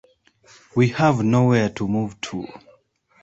We have nowhere to move to.